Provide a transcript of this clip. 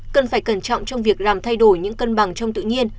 cần phải cẩn trọng trong việc làm thay đổi những cân bằng trong tự nhiên